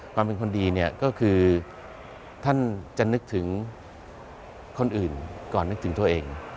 เป็นคนดีเนี่ยก็คือท่านจะนึกถึงคนอื่นก่อนนึกถึงตัวเอง